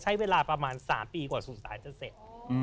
ใช้เวลาประมาณ๓ปีกว่าสู่สารจะเสร็จ